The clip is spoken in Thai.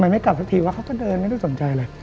ไม่กลับสักทีว่าเขาก็เดินไม่ได้สนใจเลย